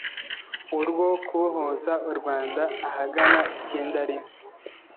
urwo kubohoza u Rwanda ahagana icyenda rimwe